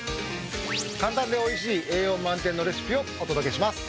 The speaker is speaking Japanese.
簡単でおいしい栄養満点のレシピをお届けします。